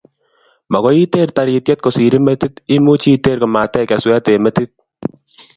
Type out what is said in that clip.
Mokoi iteer tarition kosirin metit, imuchi iteer komatech kesweet eng' metit